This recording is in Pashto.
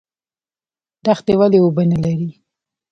دښتې ولې اوبه نلري؟